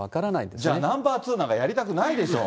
じゃあ、ナンバー２なんかやりたくないでしょう。